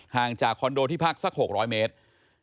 ห่างจากคอนโดที่พักสัก๖๐๐เมตร